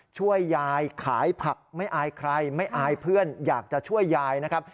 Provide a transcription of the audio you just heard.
ช่วยยายขายผักไม่อายใครไม่อายเพื่อนอยากจะช่วยยายนะครับ